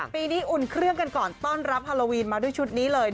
ปีนี้อุ่นเครื่องกันก่อนต้อนรับฮาโลวีนมาด้วยชุดนี้เลย